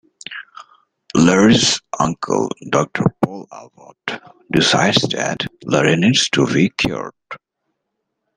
Larry's uncle, Doctor Paul Abbot, decides that Larry needs to be cured.